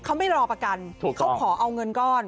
เขาไม่รอประกันเขาขอเอาเงินก้อน